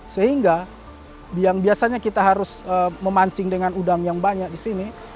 sehingga yang biasanya kita harus memancing dengan udang yang banyak di sini